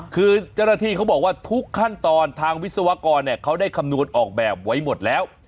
คือเจ้าหน้าที่เขาบอกว่าทุกขั้นตอนทางวิศวกรเขาได้คำนวณออกแบบไว้หมดแล้ว